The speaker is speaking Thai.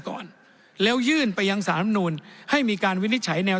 ก่อนแล้วยื่นไปยังสารธรรมนูลให้มีการวินิจฉัยแนว